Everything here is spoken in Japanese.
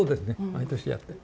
毎年やってる。